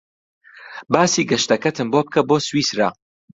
باسی گەشتەکەتم بۆ بکە بۆ سویسرا.